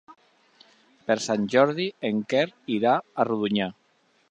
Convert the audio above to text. Per Sant Jordi en Quer irà a Rodonyà.